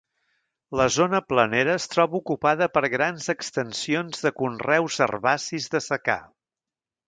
La zona planera es troba ocupada per grans extensions de conreus herbacis de secà.